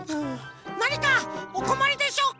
なにかおこまりでしょうか？